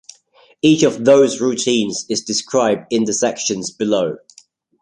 Each of those routines is described in the sections below.